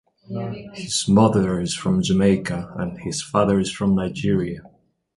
His mother is from Jamaica and his father is from Nigeria.